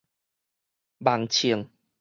網衝